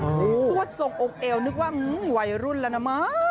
สวดทรงอกเอวนึกว่าวัยรุ่นแล้วนะมั้ง